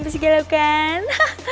pasti galau kan